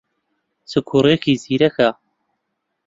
چ کوڕێکی زیرەکە!